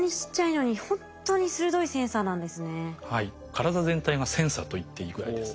体全体がセンサーといっていいぐらいです。